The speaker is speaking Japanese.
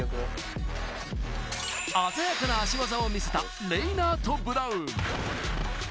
鮮やかな足技を見せた、レイナートブラウン。